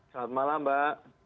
selamat malam mbak